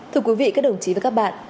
thưa quý vị các đồng chí và các bạn